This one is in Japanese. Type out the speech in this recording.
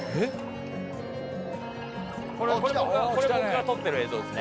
これ僕が撮ってる映像ですね。